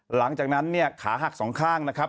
หลังจากนั้นคาหัก๒ข้างนะครับ